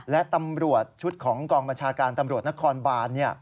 และตำรวจชุดของกองบัญชาการตำรวจนครบาน